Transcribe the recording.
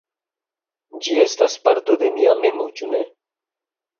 Ĝi estas parto de mia memo, ĉu ne?